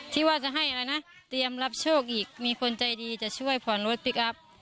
ที่ว่าจะให้อะไรนะเตรียมรับโชคอีกมีคนใจดีจะช่วยผ่อนรถพี่ครับ